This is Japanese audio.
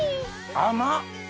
甘っ！